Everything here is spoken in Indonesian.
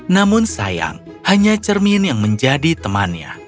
namun sayang hanya cermin yang menjadi temannya